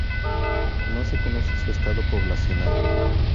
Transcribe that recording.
No se conoce su estado poblacional.